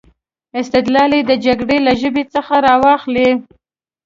استدلال یې د جګړې له ژبې څخه را واخلي.